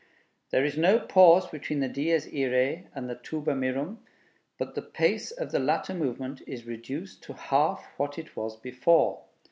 There is no pause between the 'Dies Iræ' and the 'Tuba mirum,' but the pace of the latter movement is reduced to half what it was before.